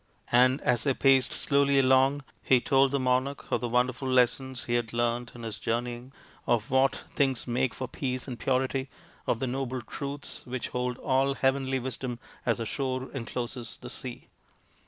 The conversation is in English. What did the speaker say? And as they paced slowly along he told the monarch of the wonderful lessons he had learnt in his journeying, of what things make for peace and purity, of the noble Truths which hold all heavenly Wisdom as the shore encloses the sea.